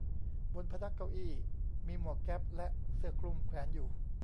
บนพนักเก้าอี้มีหมวกแก๊ปและเสื้อคลุมแขวนอยู่